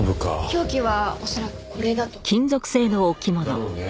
凶器は恐らくこれだと。だろうね。